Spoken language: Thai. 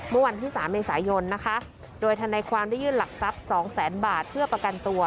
เมื่อวันที่๓ในสายนโดยทันในความได้ยื่นหลักทรัพย์๒๐๐๐๐๐บาทเพื่อประกันตัว